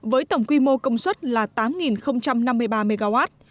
với tổng quy mô công suất là tám năm mươi ba mw